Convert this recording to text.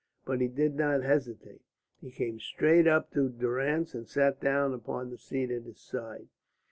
But he did not hesitate. He came straight up to Durrance and sat down upon the seat at his side.